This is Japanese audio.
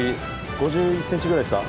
５１ｃｍぐらいっすか？